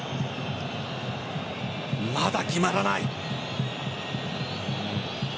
まだ決まらない。